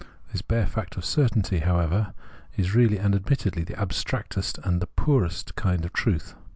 This bare fact of certainty, however, is really and admittedly the abstractest and the poorest kind of truth.